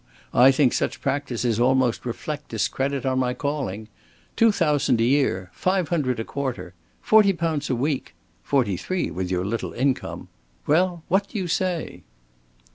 I think such practices almost reflect discredit on my calling. Two thousand a year! Five hundred a quarter! Forty pounds a week! Forty three with your little income! Well, what do you say?"